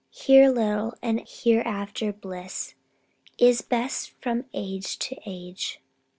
Here little, and hereafter bliss, Is best from age to age.